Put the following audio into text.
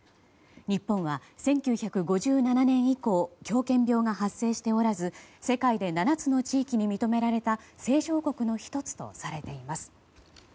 日本は１９５７年以降狂犬病が発生しておらず世界で７つの地域に認められた清浄国の１つとされています。